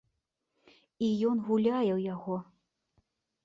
І ён гуляе ў яго.